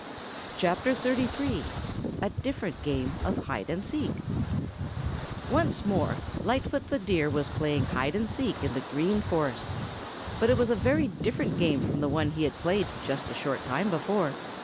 CHAPTER XXXIII A DIFFERENT GAME OF HIDE AND SEEK Once more Lightfoot the Deer was playing hide and seek in the Green Forest. But it was a very different game from the one he had played just a short time before.